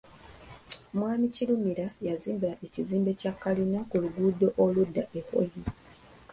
Mwami Kirumira yazimba ekizimbe kya kalina ku luguudo oludda e Hoima.